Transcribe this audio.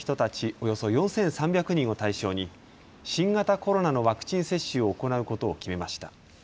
およそ４３００人を対象に新型コロナのワクチン接種を行うことを決めました。